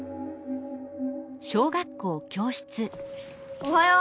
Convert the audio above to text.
おはよう！